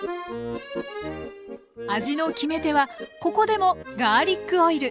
味の決め手はここでもガーリックオイル。